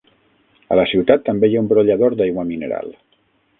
A la ciutat també hi ha un brollador d'aigua mineral.